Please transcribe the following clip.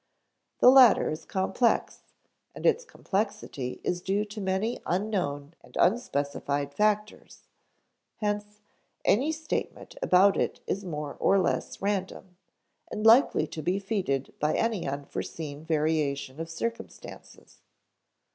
The latter is complex, and its complexity is due to many unknown and unspecified factors; hence, any statement about it is more or less random, and likely to be defeated by any unforeseen variation of circumstances.